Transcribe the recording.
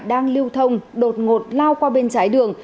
đang lưu thông đột ngột lao qua bên trái đường